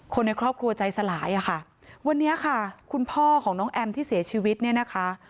คนในครอบครัวใจสลายอะค่ะวันนี้ค่ะคุณพ่อของน้องแอมที่เสียชีวิตเนี่ยนะคะ